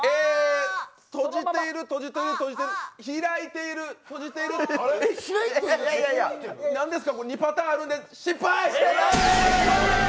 閉じている、閉じている、開いている、閉じている何ですか、２パターンあるんで失敗！